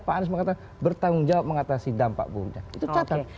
pak anies mengatakan bertanggung jawab mengatasi dampak buruknya itu catat